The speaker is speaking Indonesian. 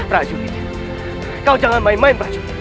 raju kau jangan main main raju